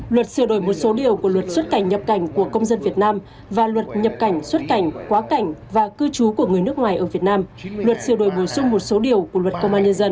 luật sửa đổi một số điều của luật xuất cảnh nhập cảnh của công dân việt nam và luật nhập cảnh xuất cảnh quá cảnh và cư trú của người nước ngoài ở việt nam luật sửa đổi bổ sung một số điều của luật công an nhân dân